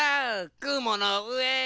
くものうえ！